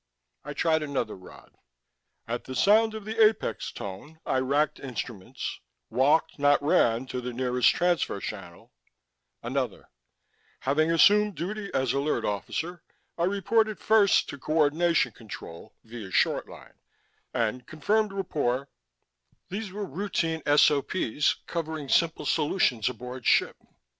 I tried another rod. At the sound of the apex tone, I racked instruments, walked, not ran, to the nearest transfer channel Another: Having assumed duty as Alert Officer, I reported first to coordination Control via short line, and confirmed rapport These were routine SOP's covering simple situations aboard ship.